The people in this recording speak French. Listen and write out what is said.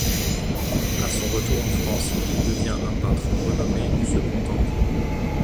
À son retour en France, il devient un peintre renommé du Second Empire.